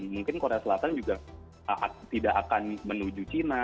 mungkin korea selatan juga tidak akan menuju cina